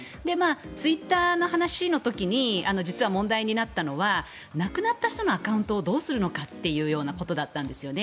ツイッターの話の時に実は問題になったのは亡くなった人のアカウントをどうするのかっていうことだったんですね。